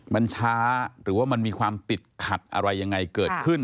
มันช้าหรือว่ามันมีความติดขัดอะไรยังไงเกิดขึ้น